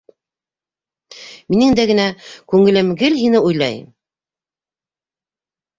Минең дә генә күңелем гел һине уйлай